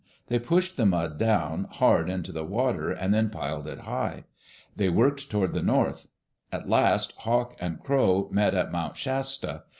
They pushed the mud down hard into the water and then piled it high. They worked toward the north. At last Hawk and Crow met at Mount Shasta.